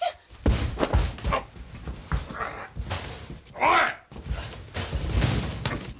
おい！